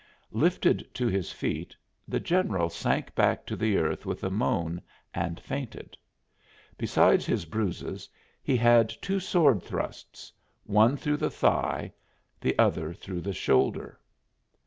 Lifted to his feet, the general sank back to the earth with a moan and fainted. Besides his bruises he had two sword thrusts one through the thigh, the other through the shoulder.